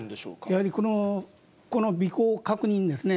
やはり、この尾行確認ですね。